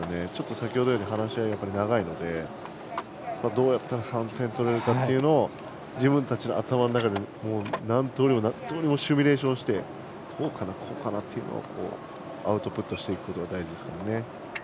先ほどより話し合いが長いのでどうやったら３点取れるか自分たちの頭で何通りもシミュレーションしてここかな、ここかなというのをアウトプットしていくことが大事です。